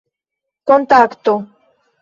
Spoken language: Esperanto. kontakto